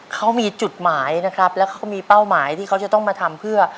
เขามีจุดหมายนะครับแล้วเขาก็มีเป้าหมายที่เขาจะต้องมาทำเพื่อ